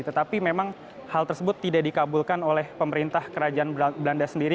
tetapi memang hal tersebut tidak dikabulkan oleh pemerintah kerajaan belanda sendiri